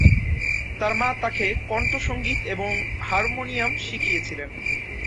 তাঁর মা তাঁকে কন্ঠ সংগীত এবং হারমোনিয়াম শিখিয়েছিলেন।